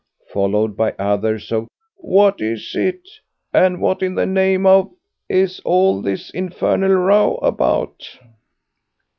followed by others of "What is it?" and "What in the name of ——— is all this infernal row about?"